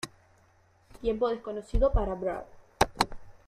Tiempo desconocido para Brad.